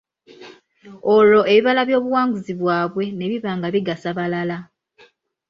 Olwo ebibala by'obuwanguzi bwaabwe nebiba nga bigasa balala.